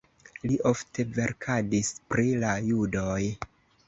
Li ofte verkadis pri la judoj.